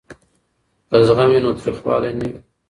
که زغم وي نو تریخوالی نه وي.